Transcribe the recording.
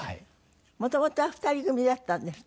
もともとは２人組だったんですって？